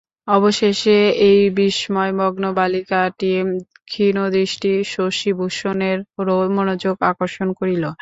অবশেষে এই বিস্ময়মগ্ন বালিকাটি ক্ষীণদৃষ্টি শশিভূষণেরও মনোযোগ আকর্ষণ করিল।